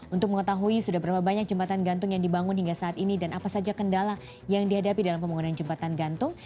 untuk mengetahui sudah berapa banyak jembatan gantung yang dibangun hingga saat ini dan apa saja kendala yang dihadapi dalam pembangunan jembatan gantung